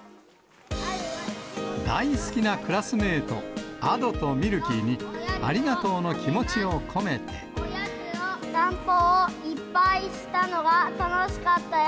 大好きなクラスメート、アドとミルキーに、ありがとうの気持ちを散歩をいっぱいしたのが楽しかったよ。